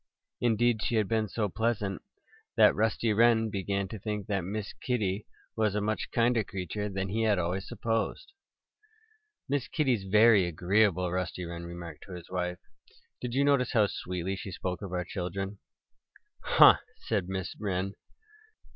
Indeed, she had been so pleasant that Rusty Wren began to think that Miss Kitty was a much kinder creature than he had always supposed. "Miss Kitty's very agreeable," Rusty Wren remarked to his wife. "Did you notice how sweetly she spoke of our children?" "Huh!" said Mrs. Wren.